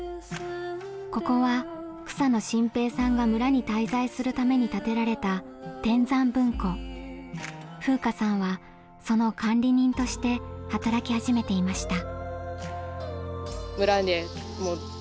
ここは草野心平さんが村に滞在するために建てられた風夏さんはその管理人として働き始めていました。